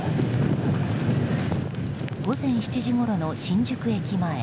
午前７時ごろの新宿駅前。